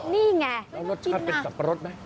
นี่ไงน้องน้องกินน่ะน้องรสชาติเป็นสับปะรดไหม